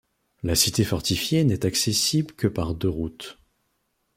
La cité fortifiée n'est accessible que par deux routes.